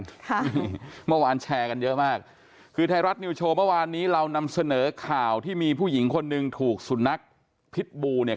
ค่ะเมื่อวานแชร์กันเยอะมากคือไทยรัฐนิวโชว์เมื่อวานนี้เรานำเสนอข่าวที่มีผู้หญิงคนหนึ่งถูกสุนัขพิษบูเนี่ย